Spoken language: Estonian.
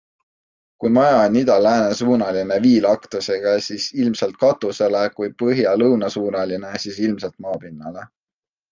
Kui maja on ida-lääne suunaline viilaktusega, siis ilmselt katusele, kui põhja-lõunasuunaline, siis ilmselt maapinnale.